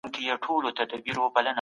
د مولي له نظره د څېړني اصلي هدف څه دی؟